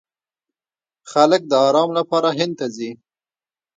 خلک د ارام لپاره هند ته ځي.